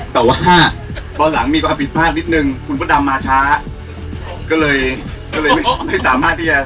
แต่ว่าตอนหลังมีความผิดพลาดนิดนึงคุณพระดำมาช้าก็เลยก็เลยไม่สามารถที่จะ